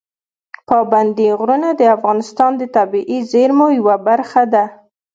پابندي غرونه د افغانستان د طبیعي زیرمو یوه برخه ده.